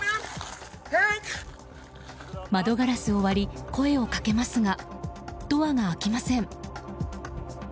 窓ガラスを割り声をかけますがドアが開きません。